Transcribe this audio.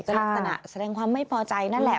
ก็ลักษณะแสดงความไม่พอใจนั่นแหละ